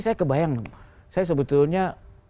saya kebayang saya sebetulnya